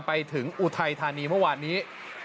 อุทัยธานีเมื่อวานนี้